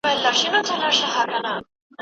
زوی یې د کوڅې د لغړو ونو شاته چپ لور ته واوښت.